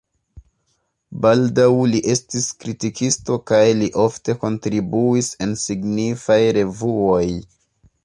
Baldaŭ li estis kritikisto kaj li ofte kontribuis en signifaj revuoj.